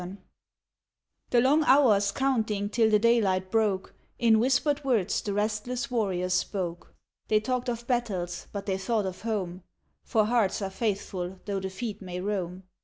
XI. The long hours counting till the daylight broke, In whispered words the restless warriors spoke. They talked of battles, but they thought of home (For hearts are faithful though the feet may roam).